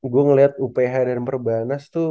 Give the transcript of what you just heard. gue ngeliat up hr dan perbanas tuh